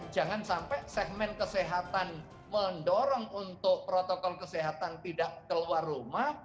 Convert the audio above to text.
jangan sampai segmen kesehatan mendorong untuk protokol kesehatan tidak keluar rumah